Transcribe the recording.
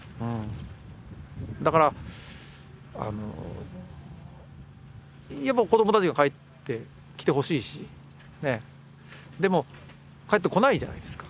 だからやっぱ子供たちが帰ってきてほしいしでも帰ってこないじゃないですか。